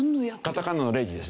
カタカナの「レジ」ですね。